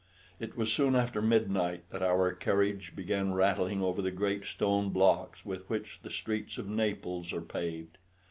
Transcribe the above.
It was soon after midnight that our carriage began rattling over the great stone blocks with which the streets of Naples are paved.